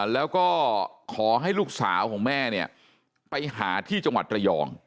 แล้วก็ขอให้ลูกสาวของแม่เนี่ยไปหาที่จังหวัดระยอง